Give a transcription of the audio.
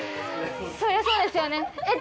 そりゃそうですよねえっ？